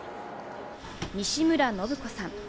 西村信子さん。